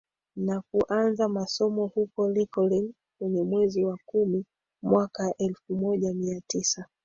na kuanza masomo huko Lincoln kwenye mwezi wa kumi mwaka elfu moja mia tisa